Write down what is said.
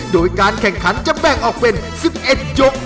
โดยการแข่งขันจะแบ่งออกเป็น๑๑ยก